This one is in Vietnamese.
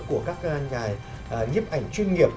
của các nhà nhiếp ảnh chuyên nghiệp